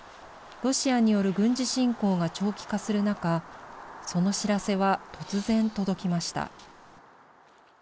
ロシアによる軍事侵攻が長期化する中、その知らせは突然届きました。